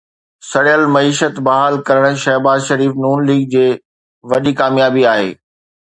سڙيل معيشت بحال ڪرڻ شهباز شريف ن ليگ جي وڏي ڪاميابي آهي